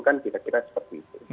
kira kira seperti itu